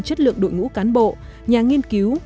chất lượng đội ngũ cán bộ nhà nghiên cứu